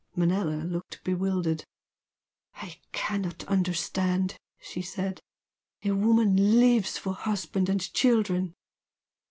Manella looked bewildered. "I cannot understand!" she said "A woman lives for husband and children!"